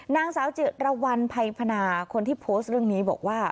นางสาวจิตรวรรณภัยพนาคนที่โพสต์เรื่องนี้บอกว่า